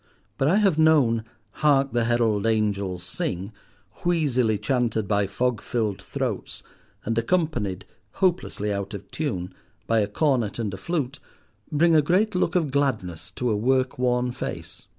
But I have known "Hark, the herald angels sing," wheezily chanted by fog filled throats, and accompanied, hopelessly out of tune, by a cornet and a flute, bring a great look of gladness to a work worn face.